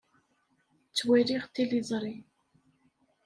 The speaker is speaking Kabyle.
Ttwaliɣ tiliẓri.